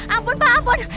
ampun pak ampun